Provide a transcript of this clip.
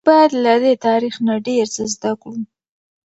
موږ باید له دې تاریخ نه ډیر څه زده کړو.